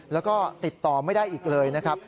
แล้วก็ติดต่อไม่ได้อีกเลยนะครับ